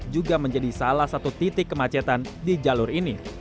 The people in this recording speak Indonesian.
juga menjadi salah satu titik kemacetan di jalur ini